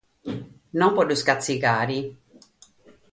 Non pro los catzigare.